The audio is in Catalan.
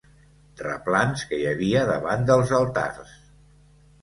Replans que hi havia davant dels altars.